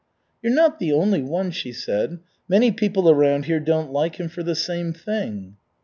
"You're not the only one," she said. "Many people around here don't like him for the same thing."